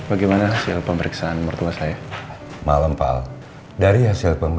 aku harus temui bu sarah besok